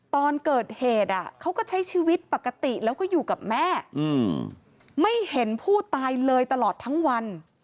ตอนเกิดเหตุเขาก็ใช้ชีวิตปกติแล้วก็อยู่กับแม่ไม่เห็นผู้ตายเลยตลอดทั้งวัน